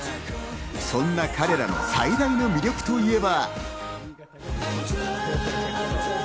そんな彼らの最大の魅力といえば。